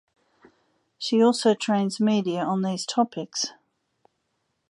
She also trains media on these topics.